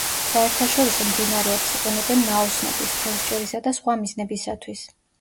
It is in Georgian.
საერთაშორისო მდინარეებს იყენებენ ნაოსნობის, თევზჭერისა და სხვა მიზნებისათვის.